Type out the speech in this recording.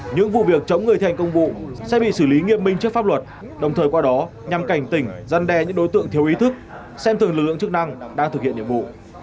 những vụ việc chống người thi hành công vụ sẽ bị xử lý nghiêm minh trước pháp luật đồng thời qua đó nhằm cảnh tỉnh giăn đe những đối tượng thiếu ý thức xem thường lực lượng chức năng đang thực hiện nhiệm vụ